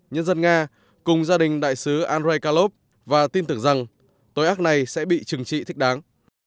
nhân dân nga cùng gia đình đại sứ andrei kalov và tin tưởng rằng tội ác này sẽ bị trừng trị thích đáng